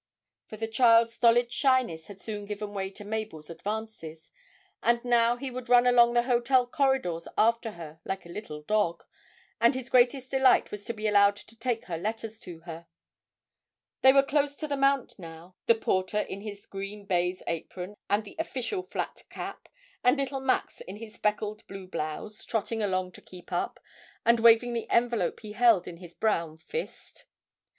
For the child's stolid shyness had soon given way to Mabel's advances, and now he would run along the hotel corridors after her like a little dog, and his greatest delight was to be allowed to take her letters to her. They were close to the mount now, the porter in his green baize apron and official flat cap, and little Max in his speckled blue blouse, trotting along to keep up, and waving the envelope he held in his brown fist.